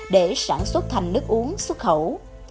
để sản xuất thành nước uống xuất khẩu